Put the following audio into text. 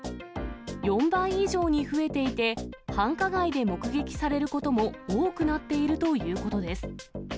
４倍以上に増えていて、繁華街で目撃されることも多くなっているということです。